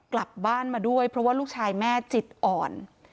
กลับบ้านมาด้วยเพราะว่าลูกชายแม่จิตอ่อน